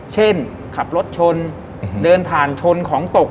เช่นขับรถชนเดินผ่านชนของตก